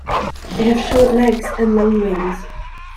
They have short legs and long wings.